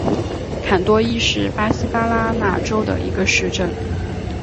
坎多伊是巴西巴拉那州的一个市镇。